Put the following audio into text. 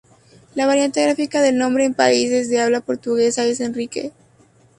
La variante gráfica del nombre en países de habla portuguesa es Henrique.